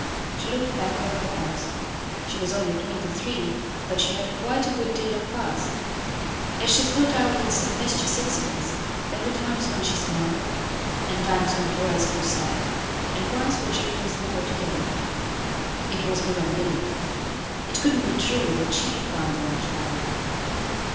She looked back over her past she was only twenty three, but she had quite a good deal of past. As she thought out its tempestuous incidents there were times when she smiled, and times when her eyes grew sad, and once when she closed them altogether. It was beyond belief. It could not be true that she had found the white flower.